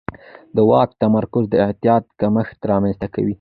د واک تمرکز د اعتماد کمښت رامنځته کوي